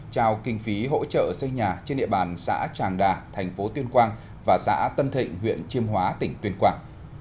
trao kinh phí hỗ trợ xây nhà trên địa bàn xã tràng đà thành phố tuyên quang và xã tân thịnh huyện chiêm hóa tỉnh tuyên quang